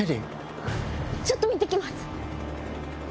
ちょっと見て来ます。